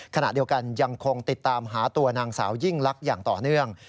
ขณะเดียวกันยังคงติดตามหาตัวนางสาวยิ่งลักษณ์อย่างต่อเนื่อง